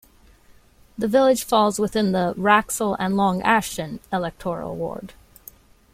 The village falls within the 'Wraxall and Long Ashton' electoral ward.